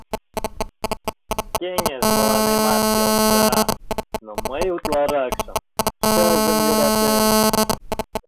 — Кеҥеж мыланемат келша, но мый утларакшым шыжым йӧратем.